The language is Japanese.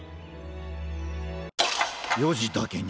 ４じだけに。